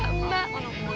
kamu mana aku manggil mbak